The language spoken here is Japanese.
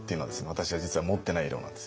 私は実は持ってない色なんですよ。